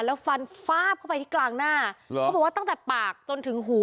แล้วฟันฟาบเข้าไปที่กลางหน้าหรอเขาบอกว่าตั้งแต่ปากจนถึงหู